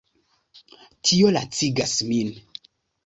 Tio lacigas min.